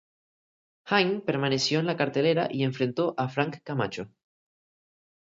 Hein permaneció en la cartelera y enfrentó a Frank Camacho.